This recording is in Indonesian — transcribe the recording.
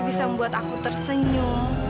bisa membuat aku tersenyum